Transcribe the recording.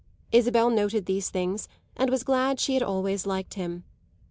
Isabel noted these things and was glad she had always liked him.